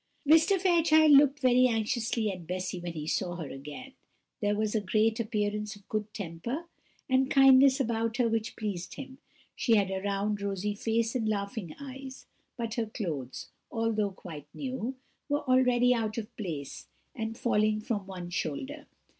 Mr. Fairchild looked very anxiously at Bessy when he saw her again. There was a great appearance of good temper and kindness about her which pleased him. She had a round rosy face and laughing eyes; but her clothes, although quite new, were already out of place, and falling from one shoulder.